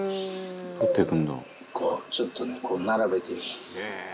こうちょっとね並べていきます。